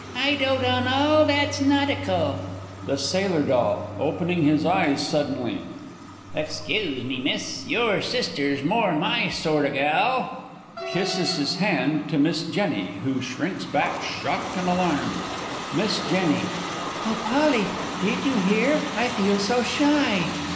I dote on all that's nautical. The Sailor D. (opening his eyes suddenly). Excuse me, Miss, your sister's more my sort o' gal. [Kisses his hand to Miss J., who shrinks back, shocked and alarmed. Miss J. Oh, Polly, did you hear? I feel so shy!